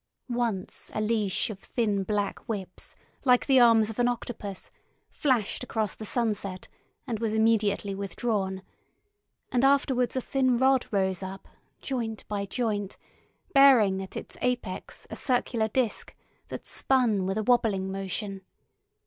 Once a leash of thin black whips, like the arms of an octopus, flashed across the sunset and was immediately withdrawn, and afterwards a thin rod rose up, joint by joint, bearing at its apex a circular disk that spun with a wobbling motion.